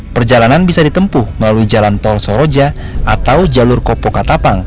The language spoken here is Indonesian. perjalanan bisa ditempuh melalui jalan tol soroja atau jalur kopo katapang